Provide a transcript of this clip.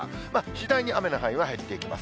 次第に雨の範囲は減っていきます。